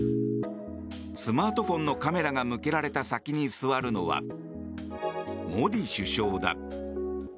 スマートフォンのカメラが向けられた先に座るのはモディ首相だ。